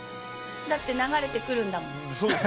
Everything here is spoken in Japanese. だって流れてくるんだもん。